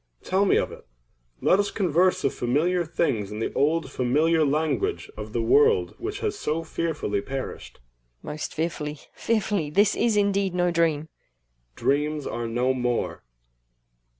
Tell me of it. Let us converse of familiar things, in the old familiar language of the world which has so fearfully perished. EIROS. Most fearfully, fearfully!—this is indeed no dream. CHARMION. Dreams are no more.